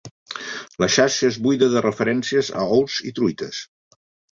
La xarxa es buida de referències a ous i truites